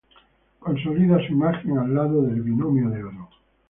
Consolida su imagen al lado del Binomio de Oro.